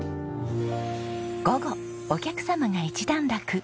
午後お客様が一段落。